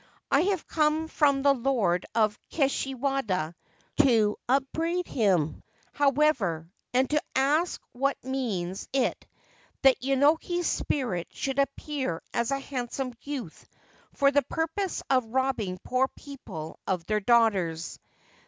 I have come from the Lord of Kishiwada to upbraid him, however, and to ask what means it that Yenoki's spirit should appear as a handsome youth for the purpose of robbing poor people of their daughters.